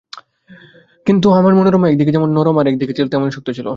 কিন্তু আমার মনোরমা এক দিকে যেমন নরম আর-এক দিকে তেমনি শক্ত ছিল।